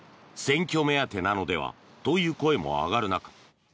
選挙目当てなのではという声も上がる中